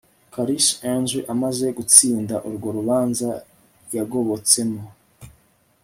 kalisa andr amaze gutsinda urwo rubanza yagobotsemo